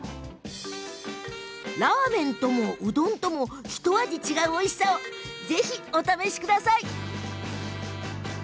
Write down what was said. ラーメンやうどんともひと味違うおいしさをぜひお試しください。